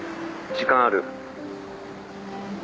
時間ある？